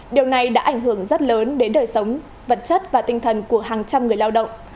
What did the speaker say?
điều này đã ảnh hưởng rất lớn đến đời sống vật chất và tinh thần của hàng trăm người lao động